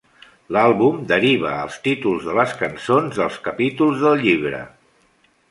L'àlbum deriva els títols de les cançons dels capítols del llibre.